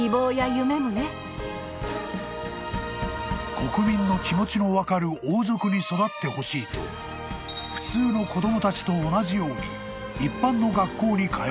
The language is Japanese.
［国民の気持ちの分かる王族に育ってほしいと普通の子供たちと同じように］